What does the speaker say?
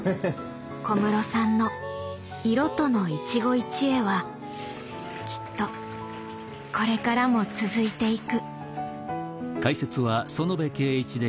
小室さんの色との一期一会はきっとこれからも続いていく。